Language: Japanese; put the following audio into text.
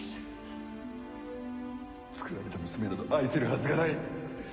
つくられた娘など愛せるはずがない！